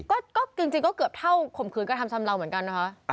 ก็จริงก็เกือบเท่าข่มขืนกระทำชำเลาเหมือนกันนะคะ